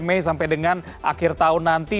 mei sampai dengan akhir tahun nanti